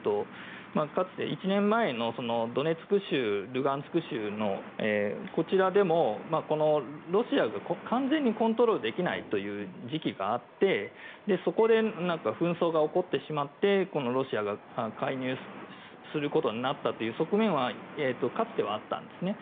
かつて１年前のドネツク州、ルハンシク州でもロシアが完全にコントロールできない時期があってそこで紛争が起こってしまってロシアが介入することになったという側面はかつてはあったんですね。